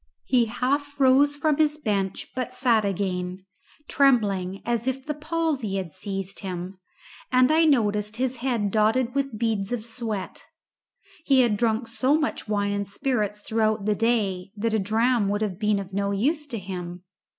He half rose from his bench, but sat again, trembling as if the palsy had seized him, and I noticed his head dotted with beads of sweat. He had drunk so much wine and spirits throughout the day that a dram would have been of no use to him.